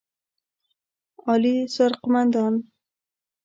اعلى سرقومندان